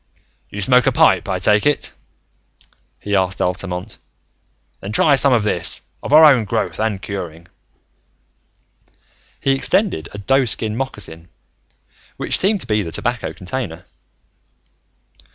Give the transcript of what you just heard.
"You smoke a pipe, I take it?" he asked Altamont. "Then try some of this, of our own growth and curing." He extended a doeskin moccasin, which seemed to be the tobacco container.